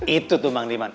itu tuh mang dimang